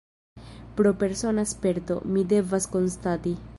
Pro persona sperto, mi devas konstati.